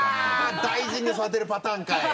大事に育てるパターンかい。